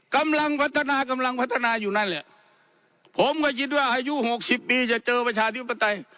กำลังพัฒนากำลังพัฒนาอยู่นั่นแหละผมก็คิดว่าอายุหกสิบปีจะเจอประชาธิปไตย